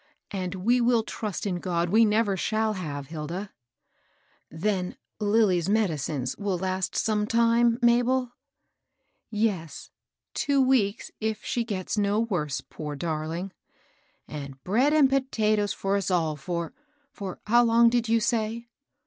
" And we will trust in God we never shall have, Hilda." 236 MABEL ROSS. Tben Lilly's medicines will last some titrie, Mabel?" " Yes, — two weeks, if she gets no worse, poor darling I "^* And bread and potatoes for us all for — for how long did you say